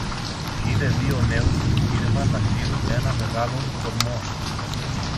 είδε δύο νέους που γύρευαν να σύρουν ένα μεγάλον κορμό